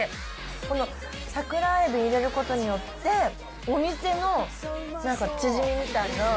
この桜えび入れることによって、お店のチヂミみたいな。